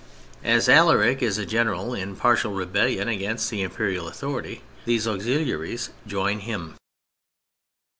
As Alaric is a general in partial rebellion against the Imperial authority, these auxiliaries join him.